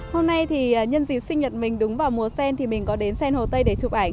hôm nay thì nhân dịp sinh nhật mình đúng vào mùa sen thì mình có đến sen hồ tây để chụp ảnh